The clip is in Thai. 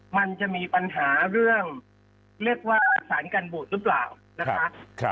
มันจะมีปัญหาเรื่องเรียกว่าสารการบวชหรือเปล่านะคะ